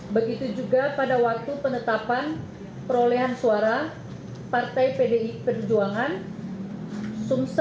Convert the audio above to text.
begitu juga pada waktu penetapan perolehan suara partai pdi perjuangan